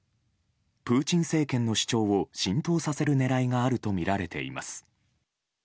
プーチン政権の主張を浸透させる狙いがあるとみられています。